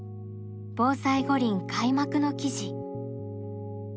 「防災五輪開幕」の記事。